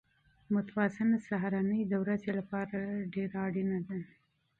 متوازنه سهارنۍ د ورځې لپاره ضروري ده.